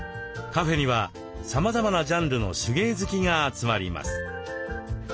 カフェにはさまざまなジャンルの手芸好きが集まります。